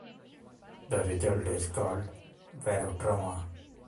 The result is called "barotrauma".